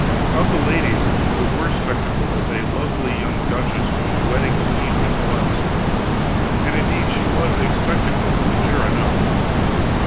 Of the ladies, the worst spectacle was a lovely young duchess, whose wedding eve this was; and indeed she was a spectacle, sure enough.